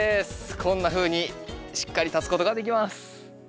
こんなふうにしっかり立つことができます。